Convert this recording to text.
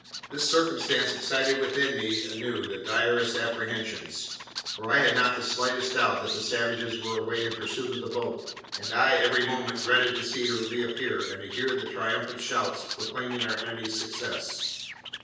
This circumstance excited within me anew the direst apprehensions; for I had not the slightest doubt that the savages were away in pursuit of the boat, and I every moment dreaded to see her reappear, and to hear the triumphant shouts proclaiming our enemies' success.